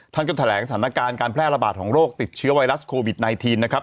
ท่านก็แถลงสถานการณ์การแพร่ระบาดของโรคติดเชื้อไวรัสโควิด๑๙นะครับ